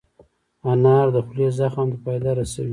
انار د خولې زخم ته فایده رسوي.